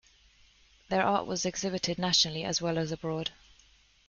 Their art was exhibited nationally as well as abroad.